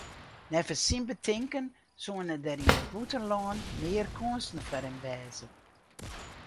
Neffens syn betinken soene der yn it bûtenlân mear kânsen foar him wêze.